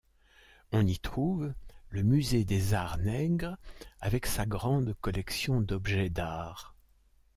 On y trouve le musée des arts nègres avec sa grande collection d’objets d’arts.